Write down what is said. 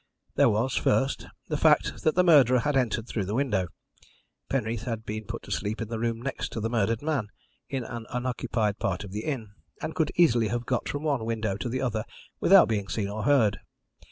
There was, first, the fact that the murderer had entered through the window. Penreath had been put to sleep in the room next the murdered man, in an unoccupied part of the inn, and could easily have got from one window to the other without being seen or heard.